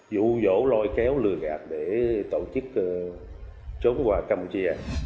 vụ vỗ lôi kéo lừa gạt để tổ chức trốn qua campuchia